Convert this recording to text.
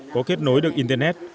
có kết nối được internet